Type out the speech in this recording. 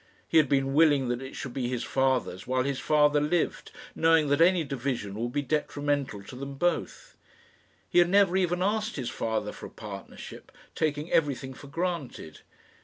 He had been willing that it should be his father's while his father lived, knowing that any division would be detrimental to them both. He had never even asked his father for a partnership, taking everything for granted.